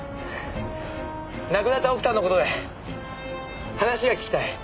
亡くなった奥さんの事で話が聞きたい。